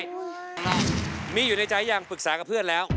มีอยู่ในใจยังปรึกษากับเพื่อนแล้ว